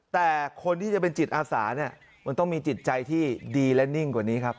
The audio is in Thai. แต่คนที่จะเป็นจิตอาสาเนี่ยมันต้องมีจิตใจที่ดีและนิ่งกว่านี้ครับ